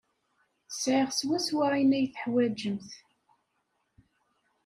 Sɛiɣ swaswa ayen ay teḥwajemt.